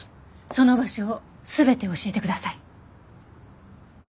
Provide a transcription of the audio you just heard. その場所を全て教えてください。